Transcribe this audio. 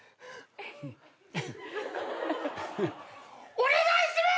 お願いします！